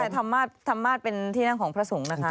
ธรรมาศเป็นที่นั่งของพระสงฆ์นะคะ